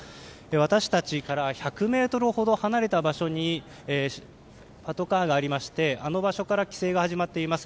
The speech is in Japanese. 私たちから１００ｍほど離れた場所にパトカーがありましてあの場所から規制が始まっています。